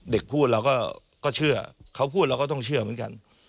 เด็กพูดเราก็เชื่อเขาพูดเราก็ต้องเชื่อเหมือนกัน